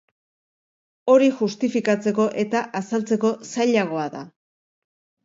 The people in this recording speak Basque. Hori justifikatzeko eta azaltzeko zailagoa da.